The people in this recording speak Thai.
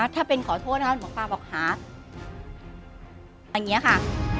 ถ้าเป็นขอโทษนะคะหมอปลาบอกหาอย่างนี้ค่ะ